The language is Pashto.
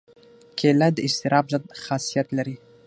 کېله د اضطراب ضد خاصیت لري.